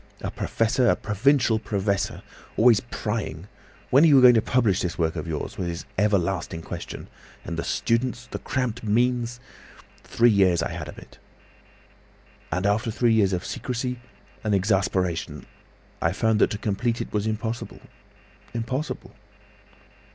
A professor, a provincial professor, always prying. 'When are you going to publish this work of yours?' was his everlasting question. And the students, the cramped means! Three years I had of it— "And after three years of secrecy and exasperation, I found that to complete it was impossible—impossible."